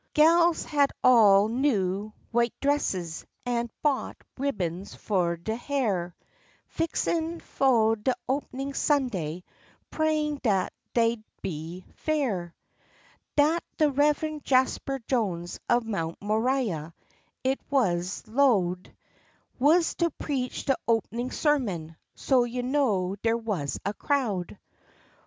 Gals had all got new w'ite dresses, an' bought ribbens fu' der hair, Fixin' fu' de openin' Sunday, prayin' dat de day'd be fair. Dat de Reveren' Jasper Jones of Mount Moriah, it wuz 'low'd, Wuz to preach de openin' sermon; so you know der wuz a crowd.